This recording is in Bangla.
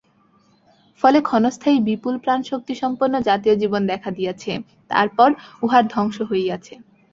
ফলে ক্ষণস্থায়ী বিপুলপ্রাণশক্তিসম্পন্ন জাতীয়-জীবন দেখা দিয়াছে, তারপর উহার ধ্বংস হইয়াছে।